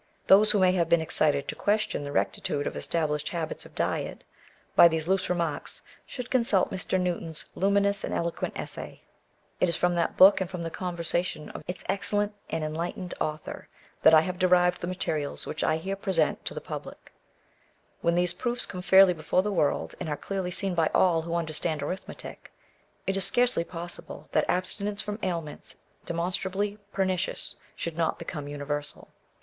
Those who may have been excited to question the rectitude of established habits of diet, by these loose remarks, should consult Mr. Newton's luminous and eloquent essay.* It is from that book, and from the conversation of its excellent and enlightened author, that I have derived the materials which I here present to the public. * Return to Nature, or Defence of Vegetable Regimen. CadeD, 1811 Digitized by Google 20 A Vindication of Natural Diet. When these proofs come fcdrly before the world, and are clearly seen by all who understand arithmetic, it is scarcely possible that abstinence from aliments demonstrably perni cious should not become universal.